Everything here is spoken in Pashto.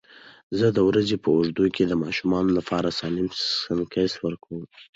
زه د ورځې په اوږدو کې د ماشومانو لپاره سالم سنکس ورکوم.